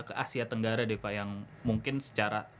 ke asia tenggara deh pak yang mungkin secara